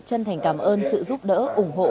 chân thành cảm ơn sự giúp đỡ ủng hộ